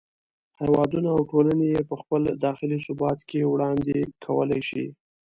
هېوادونه او ټولنې یې په خپل داخلي ثبات کې وړاندې کولای شي.